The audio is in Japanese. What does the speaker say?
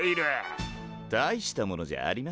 大したものじゃありませんよ。